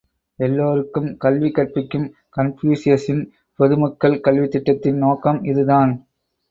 எல்லாருக்கும் கல்வி கற்பிக்கும் கன்பூசியசின் பொது மக்கள் கல்வித்திட்டத்தின் நோக்கம் இதுதான்.